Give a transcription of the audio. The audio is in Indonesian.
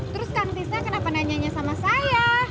terus kang trista kenapa nanyanya sama saya